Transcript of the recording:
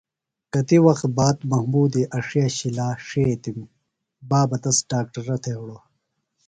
کتیۡ وخت باد محمودی اڇھیہ شِلا ݜِیتِم۔ بابہ تس ڈاکٹرہ تھےۡ ہِڑوۡ۔